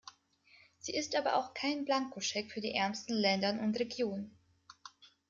Sie ist aber auch kein Blankoscheck für die ärmsten Ländern und Regionen.